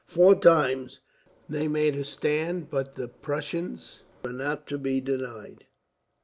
Four times they made a stand, but the Prussians were not to be denied.